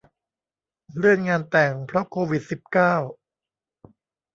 เลื่อนงานแต่ง เพราะโควิด สิบเก้า